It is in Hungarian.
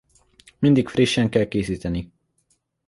Mindig frissen kell készíteni.